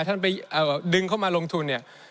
ท่านไปดึงเข้ามาลงทุนเนี่ย